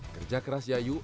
kerja keras yayu